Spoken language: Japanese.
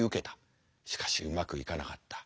しかしうまくいかなかった。